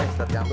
eh setiap orang